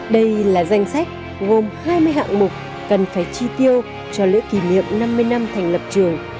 đây là danh sách gồm hai mươi hạng mục cần phải chi tiêu cho lễ kỷ niệm năm mươi năm thành lập trường